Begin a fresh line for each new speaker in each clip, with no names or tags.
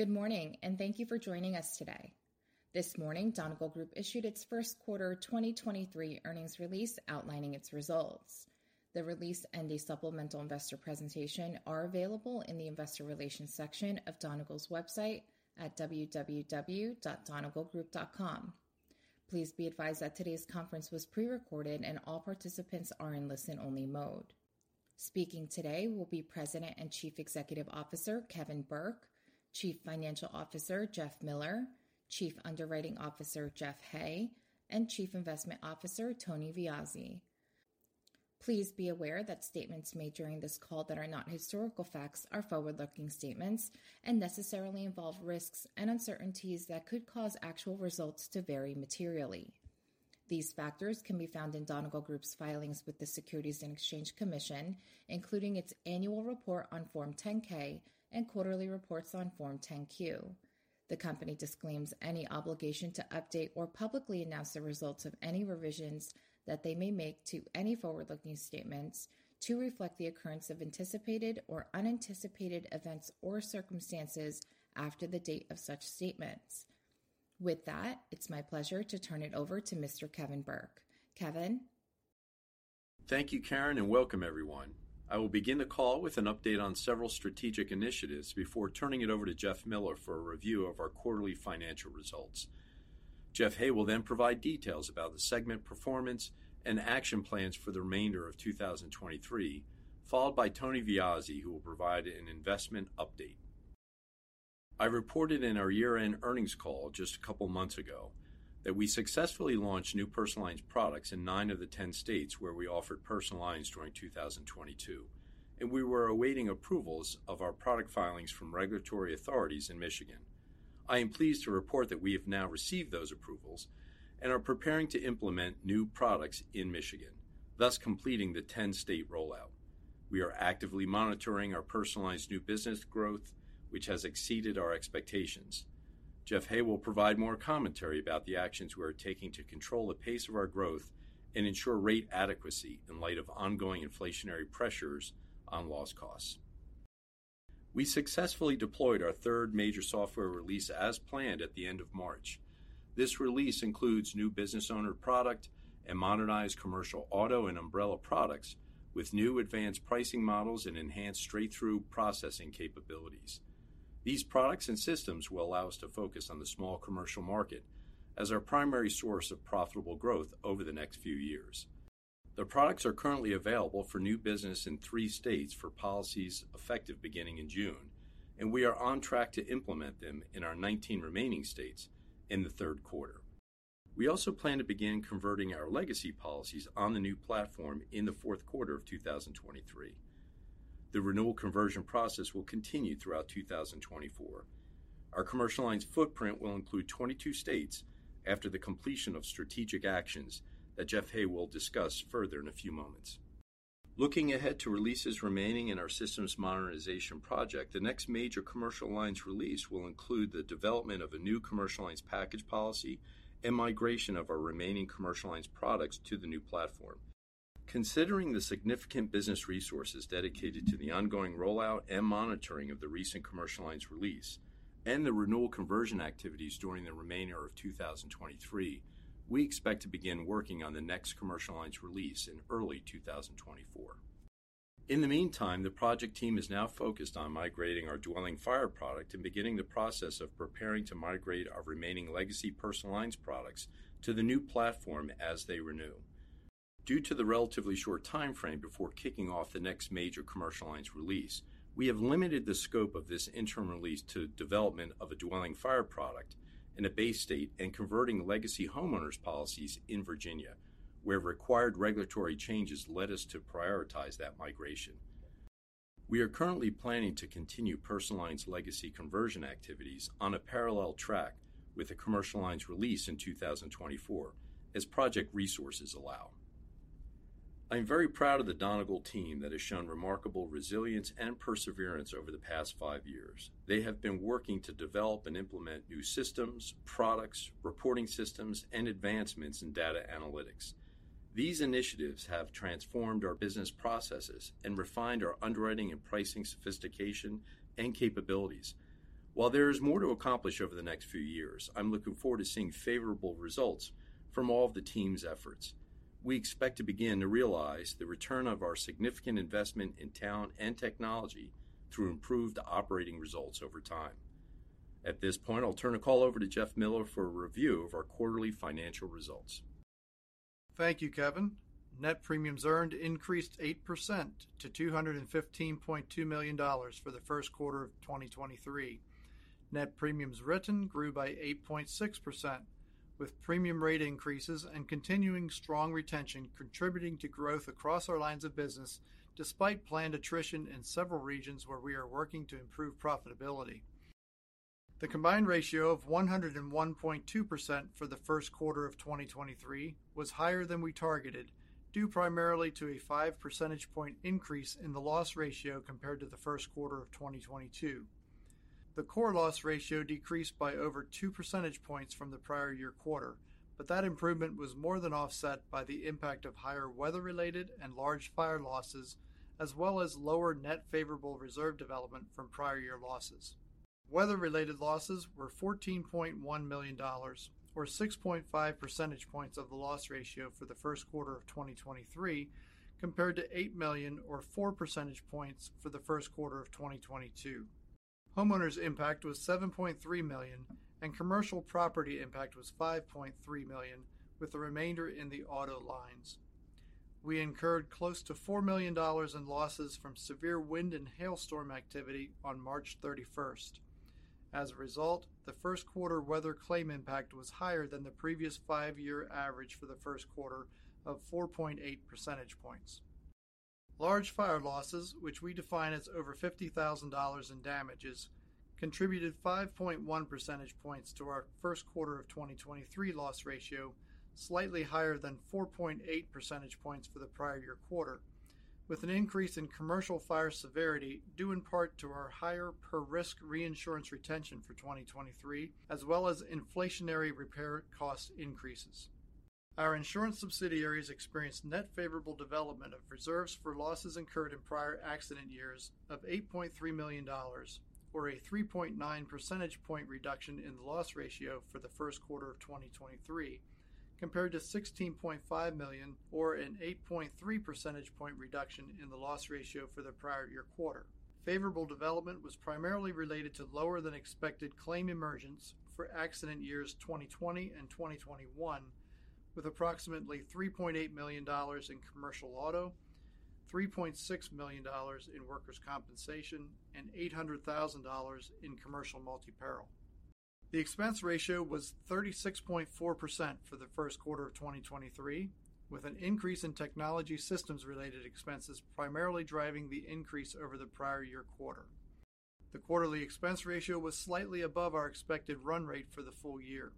Good morning, and thank you for joining us today. This morning, Donegal Group issued its first quarter 2023 earnings release outlining its results. The release and a supplemental investor presentation are available in the investor relations section of Donegal's website at www.donegalgroup.com. Please be advised that today's conference was pre-recorded and all participants are in listen-only mode. Speaking today will be President and Chief Executive Officer, Kevin Burke; Chief Financial Officer, Jeff Miller; Chief Underwriting Officer, Jeff Hay; and Chief Investment Officer, Tony Viozzi. Please be aware that statements made during this call that are not historical facts are forward-looking statements and necessarily involve risks and uncertainties that could cause actual results to vary materially. These factors can be found in Donegal Group's filings with the Securities and Exchange Commission, including its annual report on Form 10-K and quarterly reports on Form 10-Q. The company disclaims any obligation to update or publicly announce the results of any revisions that they may make to any forward-looking statements to reflect the occurrence of anticipated or unanticipated events or circumstances after the date of such statements. With that, it's my pleasure to turn it over to Mr. Kevin Burke. Kevin?
Thank you, Karin, and welcome everyone. I will begin the call with an update on several strategic initiatives before turning it over to Jeff Miller for a review of our quarterly financial results. Jeff Hay will then provide details about the segment performance and action plans for the remainder of 2023, followed by Tony Viozzi, who will provide an investment update. I reported in our year-end earnings call just a couple months ago that we successfully launched new personal lines products in nine of the 10 states where we offered personal lines during 2022, and we were awaiting approvals of our product filings from regulatory authorities in Michigan. I am pleased to report that we have now received those approvals and are preparing to implement new products in Michigan, thus completing the 10-state rollout. We are actively monitoring our personalized new business growth, which has exceeded our expectations. Jeff Hay will provide more commentary about the actions we are taking to control the pace of our growth and ensure rate adequacy in light of ongoing inflationary pressures on loss costs. We successfully deployed our third major software release as planned at the end of March. This release includes new business owners product and modernized commercial auto and umbrella products with new advanced pricing models and enhanced straight-through processing capabilities. These products and systems will allow us to focus on the small commercial market as our primary source of profitable growth over the next few years. The products are currently available for new business in three states for policies effective beginning in June, and we are on track to implement them in our 19 remaining states in the third quarter. We also plan to begin converting our legacy policies on the new platform in the fourth quarter of 2023. The renewal conversion process will continue throughout 2024. Our commercial lines footprint will include 22 states after the completion of strategic actions that Jeff Hay will discuss further in a few moments. Looking ahead to releases remaining in our systems modernization project, the next major commercial lines release will include the development of a new commercial lines package policy and migration of our remaining commercial lines products to the new platform. Considering the significant business resources dedicated to the ongoing rollout and monitoring of the recent commercial lines release and the renewal conversion activities during the remainder of 2023, we expect to begin working on the next commercial lines release in early 2024. In the meantime, the project team is now focused on migrating our dwelling fire product and beginning the process of preparing to migrate our remaining legacy personal lines products to the new platform as they renew. Due to the relatively short timeframe before kicking off the next major commercial lines release, we have limited the scope of this interim release to development of a dwelling fire product in a base state and converting legacy homeowners policies in Virginia, where required regulatory changes led us to prioritize that migration. We are currently planning to continue personal lines legacy conversion activities on a parallel track with the commercial lines release in 2024 as project resources allow. I am very proud of the Donegal team that has shown remarkable resilience and perseverance over the past five years. They have been working to develop and implement new systems, products, reporting systems, and advancements in data analytics. These initiatives have transformed our business processes and refined our underwriting and pricing sophistication and capabilities. While there is more to accomplish over the next few years, I'm looking forward to seeing favorable results from all of the team's efforts. We expect to begin to realize the return of our significant investment in talent and technology through improved operating results over time. At this point, I'll turn the call over to Jeff Miller for a review of our quarterly financial results.
Thank you, Kevin. Net premiums earned increased 8% to $215.2 million for the first quarter of 2023. Net premiums written grew by 8.6%, with premium rate increases and continuing strong retention contributing to growth across our lines of business despite planned attrition in several regions where we are working to improve profitability. The combined ratio of 101.2% for the first quarter of 2023 was higher than we targeted, due primarily to a 5 percentage point increase in the loss ratio compared to the first quarter of 2022. The core loss ratio decreased by over 2 percentage points from the prior year quarter. That improvement was more than offset by the impact of higher weather-related and large fire losses, as well as lower net favorable reserve development from prior year losses. Weather-related losses were $14.1 million or 6.5 percentage points of the loss ratio for the first quarter of 2023 compared to $8 million or 4 percentage points for the first quarter of 2022. Homeowners impact was $7.3 million, and Commercial Property impact was $5.3 million, with the remainder in the Auto lines. We incurred close to $4 million in losses from severe wind and hailstorm activity on March 31st. As a result, the first quarter weather claim impact was higher than the previous five-year average for the first quarter of 4.8 percentage points. Large fire losses, which we define as over $50,000 in damages, contributed 5.1 percentage points to our first quarter of 2023 loss ratio, slightly higher than 4.8 percentage points for the prior year quarter, with an increase in commercial fire severity due in part to our higher per risk reinsurance retention for 2023, as well as inflationary repair cost increases. Our insurance subsidiaries experienced net favorable development of reserves for losses incurred in prior accident years of $8.3 million or a 3.9 percentage point reduction in the loss ratio for the first quarter of 2023, compared to $16.5 million or an 8.3 percentage point reduction in the loss ratio for the prior year quarter. Favorable development was primarily related to lower than expected claim emergence for accident years 2020 and 2021, with approximately $3.8 million in commercial auto, $3.6 million in workers' compensation, and $800,000 in commercial multi-peril. The expense ratio was 36.4% for the first quarter of 2023, with an increase in technology systems-related expenses primarily driving the increase over the prior year quarter. The quarterly expense ratio was slightly above our expected run rate for the full year.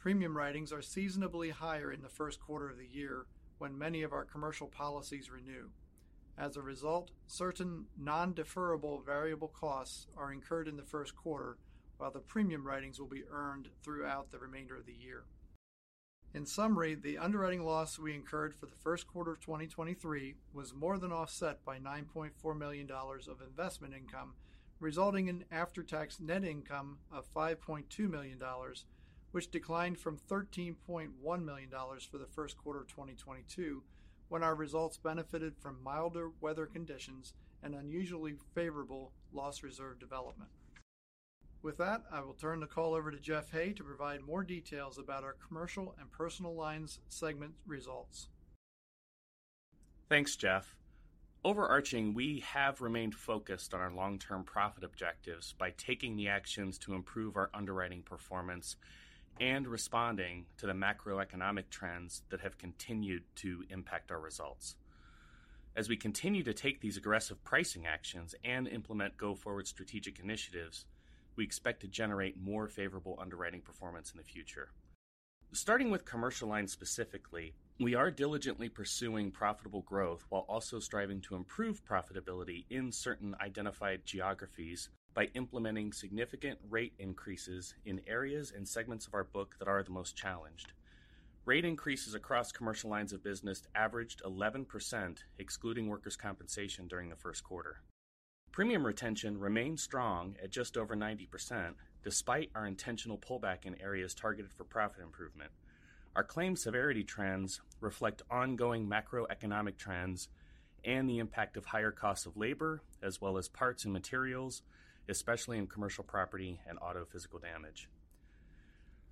Premium writings are seasonably higher in the first quarter of the year when many of our commercial policies renew. As a result, certain non-deferrable variable costs are incurred in the first quarter, while the premium writings will be earned throughout the remainder of the year. In summary, the underwriting loss we incurred for the 1st quarter of 2023 was more than offset by $9.4 million of investment income, resulting in after-tax net income of $5.2 million, which declined from $13.1 million for the first quarter of 2022 when our results benefited from milder weather conditions and unusually favorable loss reserve development. With that, I will turn the call over to Jeff Hay to provide more details about our commercial and personal lines segment results.
Thanks, Jeff. Overarching, we have remained focused on our long-term profit objectives by taking the actions to improve our underwriting performance and responding to the macroeconomic trends that have continued to impact our results. We continue to take these aggressive pricing actions and implement go-forward strategic initiatives, we expect to generate more favorable underwriting performance in the future. Starting with commercial lines specifically, we are diligently pursuing profitable growth while also striving to improve profitability in certain identified geographies by implementing significant rate increases in areas and segments of our book that are the most challenged. Rate increases across commercial lines of business averaged 11% excluding workers' compensation during the first quarter. Premium retention remains strong at just over 90% despite our intentional pullback in areas targeted for profit improvement. Our claim severity trends reflect ongoing macroeconomic trends and the impact of higher costs of labor, as well as parts and materials, especially in commercial property and auto physical damage.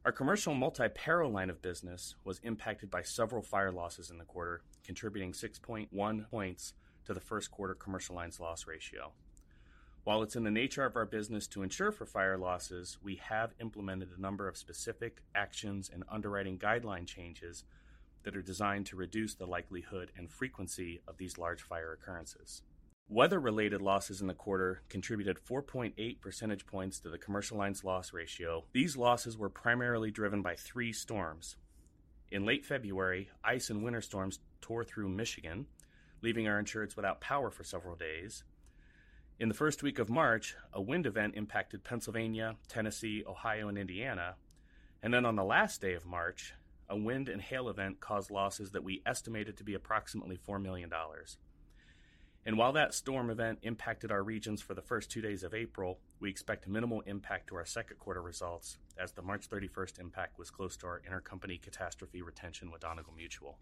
Our commercial multi-peril line of business was impacted by several fire losses in the quarter, contributing 6.1 points to the first quarter commercial lines loss ratio. While it's in the nature of our business to insure for fire losses, we have implemented a number of specific actions and underwriting guideline changes that are designed to reduce the likelihood and frequency of these large fire occurrences. Weather-related losses in the quarter contributed 4.8 percentage points to the commercial lines loss ratio. These losses were primarily driven by three storms. In late February, ice and winter storms tore through Michigan, leaving our insurance without power for several days. In the first week of March, a wind event impacted Pennsylvania, Tennessee, Ohio, and Indiana. On the last day of March, a wind and hail event caused losses that we estimated to be approximately $4 million. While that storm event impacted our regions for the first two days of April, we expect minimal impact to our second quarter results as the March thirty-first impact was close to our intercompany catastrophe retention with Donegal Mutual.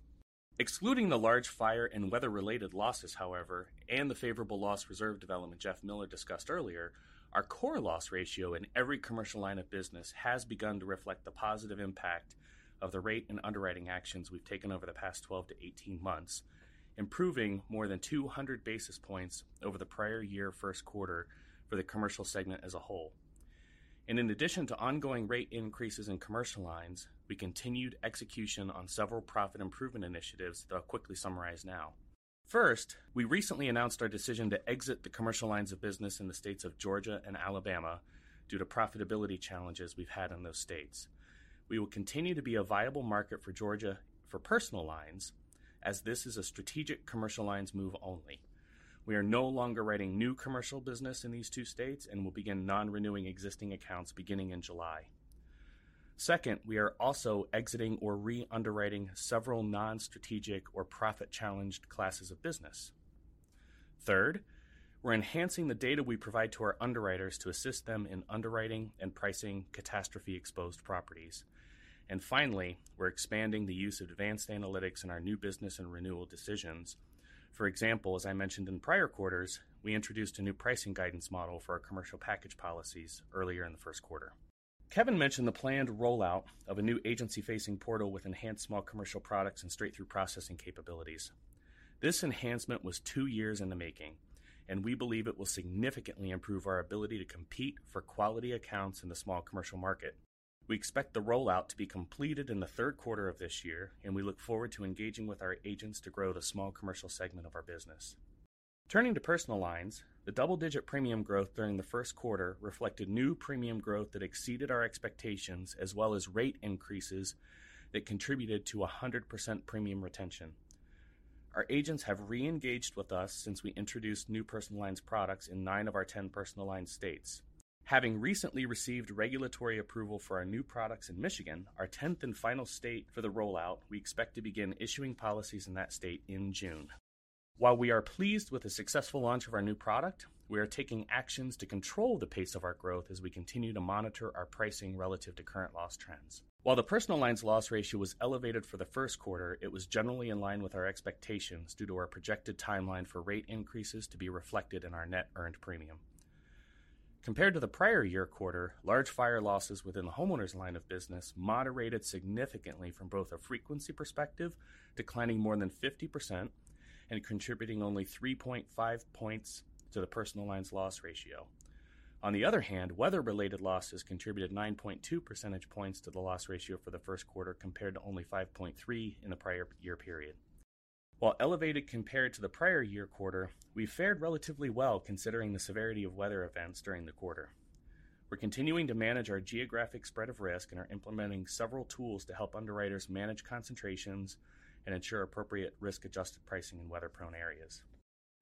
Excluding the large fire and weather-related losses, however, and the favorable loss reserve development Jeff Miller discussed earlier, our core loss ratio in every commercial line of business has begun to reflect the positive impact of the rate and underwriting actions we've taken over the past 12 to 18 months, improving more than 200 basis points over the prior year first quarter for the commercial segment as a whole. In addition to ongoing rate increases in commercial lines, we continued execution on several profit improvement initiatives that I'll quickly summarize now. First, we recently announced our decision to exit the commercial lines of business in the states of Georgia and Alabama due to profitability challenges we've had in those states. We will continue to be a viable market for Georgia for personal lines, as this is a strategic commercial lines move only. We are no longer writing new commercial business in these two states and will begin non-renewing existing accounts beginning in July. Second, we are also exiting or re-underwriting several non-strategic or profit-challenged classes of business. Third, we're enhancing the data we provide to our underwriters to assist them in underwriting and pricing catastrophe-exposed properties. Finally, we're expanding the use of advanced analytics in our new business and renewal decisions. For example, as I mentioned in prior quarters, we introduced a new pricing guidance model for our commercial package policies earlier in the first quarter. Kevin mentioned the planned rollout of a new agency-facing portal with enhanced small commercial products and straight-through processing capabilities. This enhancement was two years in the making, and we believe it will significantly improve our ability to compete for quality accounts in the small commercial market. We expect the rollout to be completed in the third quarter of this year, and we look forward to engaging with our agents to grow the small commercial segment of our business. Turning to Personal Lines, the double-digit premium growth during the first quarter reflected new premium growth that exceeded our expectations, as well as rate increases that contributed to a 100% premium retention. Our agents have re-engaged with us since we introduced new Personal Lines products in 9 of our 10 Personal Lines states. Having recently received regulatory approval for our new products in Michigan, our 10th and final state for the rollout, we expect to begin issuing policies in that state in June. While we are pleased with the successful launch of our new product, we are taking actions to control the pace of our growth as we continue to monitor our pricing relative to current loss trends. While the Personal Lines loss ratio was elevated for the 1st quarter, it was generally in line with our expectations due to our projected timeline for rate increases to be reflected in our net earned premium. Compared to the prior year quarter, large fire losses within the homeowners line of business moderated significantly from both a frequency perspective, declining more than 50% and contributing only 3.5 points to the Personal Lines loss ratio. Weather-related losses contributed 9.2 percentage points to the loss ratio for the first quarter compared to only 5.3 in the prior year period. While elevated compared to the prior year quarter, we fared relatively well considering the severity of weather events during the quarter. We're continuing to manage our geographic spread of risk and are implementing several tools to help underwriters manage concentrations and ensure appropriate risk-adjusted pricing in weather-prone areas.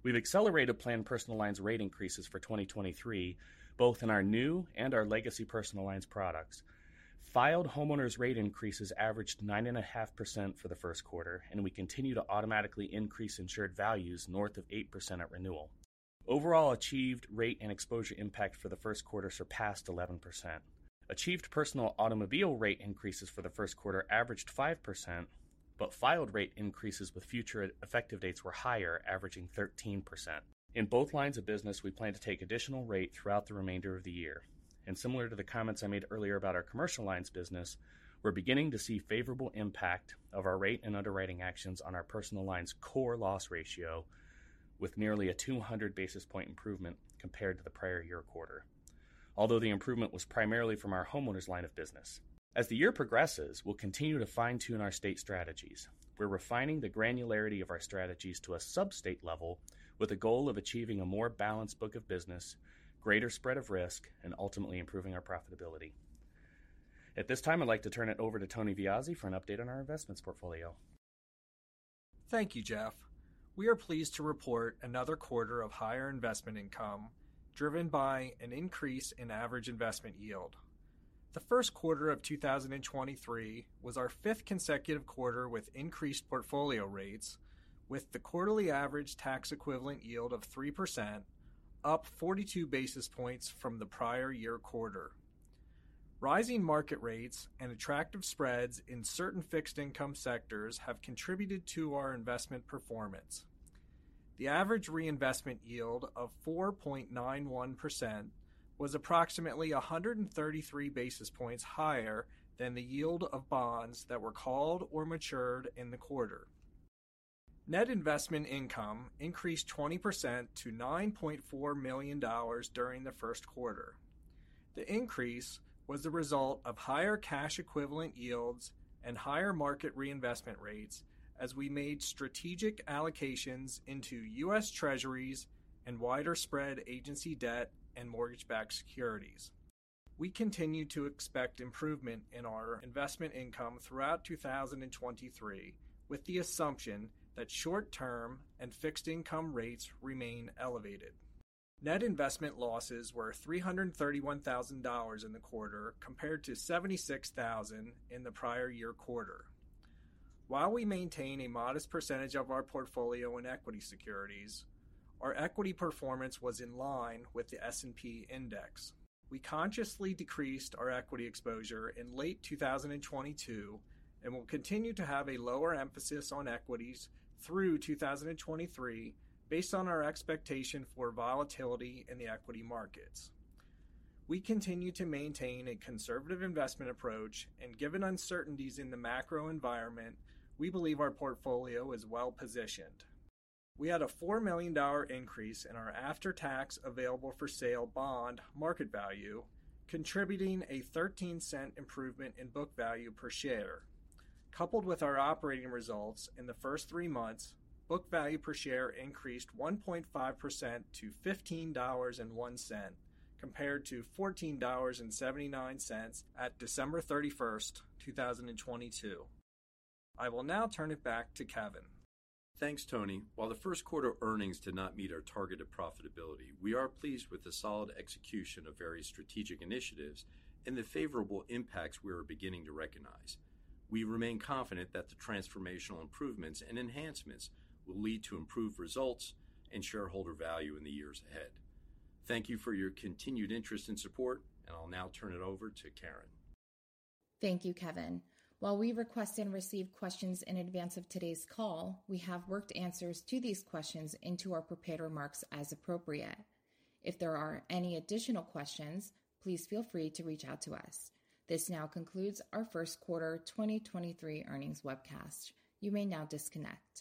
We've accelerated planned Personal Lines rate increases for 2023, both in our new and our legacy Personal Lines products. Filed homeowners rate increases averaged 9.5% for the first quarter, and we continue to automatically increase insured values north of 8% at renewal. Overall, achieved rate and exposure impact for the first quarter surpassed 11%. Achieved personal automobile rate increases for the first quarter averaged 5%, but filed rate increases with future effective dates were higher, averaging 13%. In both lines of business, we plan to take additional rate throughout the remainder of the year. Similar to the comments I made earlier about our commercial lines business, we're beginning to see favorable impact of our rate and underwriting actions on our personal lines core loss ratio with nearly a 200 basis point improvement compared to the prior year quarter. The improvement was primarily from our homeowners line of business. As the year progresses, we'll continue to fine-tune our state strategies. We're refining the granularity of our strategies to a sub-state level with a goal of achieving a more balanced book of business, greater spread of risk, and ultimately improving our profitability. At this time, I'd like to turn it over to Tony Viozzi for an update on our investments portfolio.
Thank you, Jeff. We are pleased to report another quarter of higher investment income driven by an increase in average investment yield. The first quarter of 2023 was our fifth consecutive quarter with increased portfolio rates, with the quarterly average tax-equivalent yield of 3%, up 42 basis points from the prior year quarter. Rising market rates and attractive spreads in certain fixed income sectors have contributed to our investment performance. The average reinvestment yield of 4.91% was approximately 133 basis points higher than the yield of bonds that were called or matured in the quarter. Net investment income increased 20% to $9.4 million during the first quarter. The increase was the result of higher cash equivalent yields and higher market reinvestment rates as we made strategic allocations into U.S. Treasuries and wider spread agency debt and mortgage-backed securities. We continue to expect improvement in our investment income throughout 2023, with the assumption that short-term and fixed income rates remain elevated. Net investment losses were $331,000 in the quarter compared to $76,000 in the prior year quarter. While we maintain a modest percentage of our portfolio in equity securities, our equity performance was in line with the S&P 500. We consciously decreased our equity exposure in late 2022 and will continue to have a lower emphasis on equities through 2023 based on our expectation for volatility in the equity markets. We continue to maintain a conservative investment approach, and given uncertainties in the macro environment, we believe our portfolio is well-positioned. We had a $4 million increase in our after-tax available for sale bond market value, contributing a $0.13 improvement in book value per share. Coupled with our operating results in the first three months, book value per share increased 1.5% to $15.01, compared to $14.79 at December 31st 2022. I will now turn it back to Kevin.
Thanks, Tony. While the first quarter earnings did not meet our targeted profitability, we are pleased with the solid execution of various strategic initiatives and the favorable impacts we are beginning to recognize. We remain confident that the transformational improvements and enhancements will lead to improved results and shareholder value in the years ahead. Thank you for your continued interest and support. I'll now turn it over to Karin.
Thank you, Kevin. While we request and receive questions in advance of today's call, we have worked answers to these questions into our prepared remarks as appropriate. If there are any additional questions, please feel free to reach out to us. This now concludes our first quarter 2023 earnings webcast. You may now disconnect.